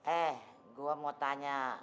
eh gua mau tanya